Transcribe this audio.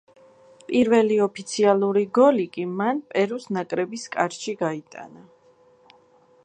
პირველი ოფიციალური გოლი კი მან პერუს ნაკრების კარში გაიტანა.